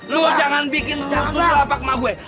lu jangan bikin susah pak emak gue